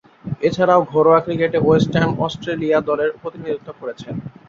এছাড়াও ঘরোয়া ক্রিকেটে ওয়েস্টার্ন অস্ট্রেলিয়া দলের প্রতিনিধিত্ব করেছেন।